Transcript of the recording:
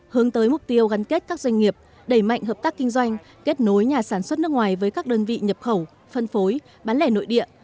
hướng tới mục tiêu gắn kết các doanh nghiệp đẩy mạnh hợp tác kinh doanh kết nối nhà sản xuất nước ngoài với các đơn vị nhập khẩu phân phối bán lẻ nội địa